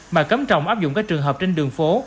mà cấm trọng áp dụng các trường hợp trên đường phố